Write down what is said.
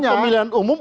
peserta pemilihan umum